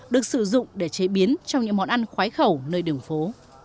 được sử dụng để chế biến trong những món ăn khoái khẩu nơi đường phố